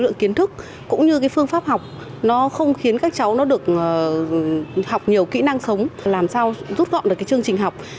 nên đưa những bài học